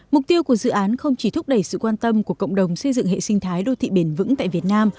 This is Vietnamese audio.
mục tiêu của dự án không chỉ thúc đẩy sự quan tâm của cộng đồng xây dựng hệ sinh thái đô thị bền vững tại việt nam